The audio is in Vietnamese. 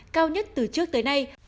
cao nhất từ trước tới nay